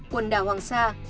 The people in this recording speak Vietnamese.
quần đảo hoàng sa